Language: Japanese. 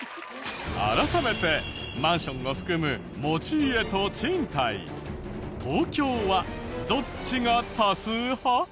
改めてマンションを含む持ち家と賃貸東京はどっちが多数派？